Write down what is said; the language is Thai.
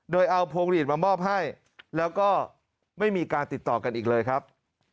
โดยเอาพวงหลีดมามอบให้แล้วก็ไม่มีการติดต่อกันอีกเลยครับ